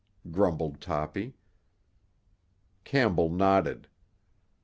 grumbled Toppy. Campbell nodded.